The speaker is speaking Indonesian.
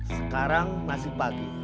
sekarang masih pagi